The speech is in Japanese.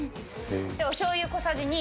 おしょう油小さじ２。